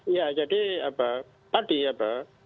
ya jadi apa tadi ya pak